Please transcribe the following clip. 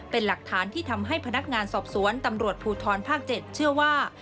เป็นหลักฐานที่ทำให้พนักงานสอบสวนตำรวจภูทรภาค๗เชื่อว่า